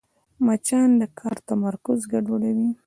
مچان د کار تمرکز ګډوډوي